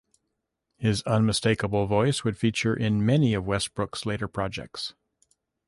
His unmistakable voice would feature in many of Westbrook's later projects.